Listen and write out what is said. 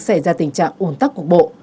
xảy ra tình trạng ủn tắc cục bộ